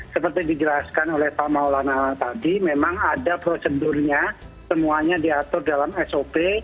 seperti dijelaskan oleh pak maulana tadi memang ada prosedurnya semuanya diatur dalam sop